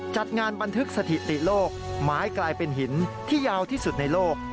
จัดงานบันทึกสถิติโลกไม้กลายเป็นหินที่ยาวที่สุดในโลก